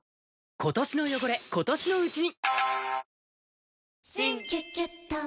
今年の汚れ、今年のうちに。